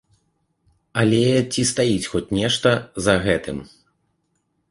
Але ці стаіць хоць нешта за гэтым?